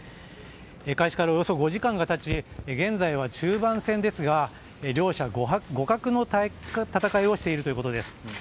開始からおよそ５時間が経ち現在は中盤戦ですが両者互角の戦いをしているということです。